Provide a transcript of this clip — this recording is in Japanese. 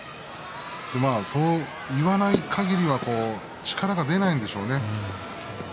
そう言わないかぎりは力が出ないんでしょうね。